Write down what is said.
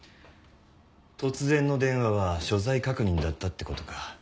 突然の電話は所在確認だったってことか。